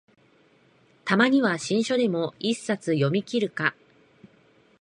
たまには新書でも一冊読みきるか